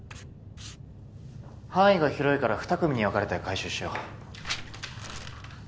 範囲が広いからふた組に分かれて回収しよう。